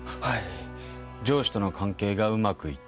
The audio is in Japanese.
上司との関係がうまくいっていない。